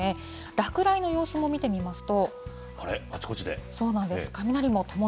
落雷の様子も見てみますと。